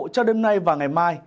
cho đêm nay và ngày mai